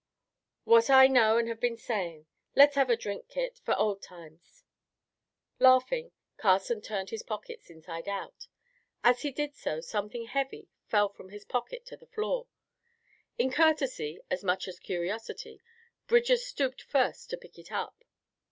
"What I know, an' have been sayin'! Let's have a drink, Kit, fer old times." Laughing, Carson turned his pockets inside out. As he did so something heavy fell from his pocket to the floor. In courtesy as much as curiosity Bridger stooped first to pick it up.